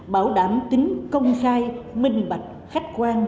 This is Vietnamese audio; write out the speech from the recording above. bảo đảm tính công khai minh lực